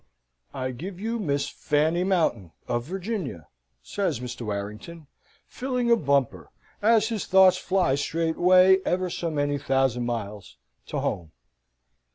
"I give you 'Miss Fanny Mountain, of Virginia,'" says Mr. Warrington, filling a bumper as his thoughts fly straightway, ever so many thousand miles, to home.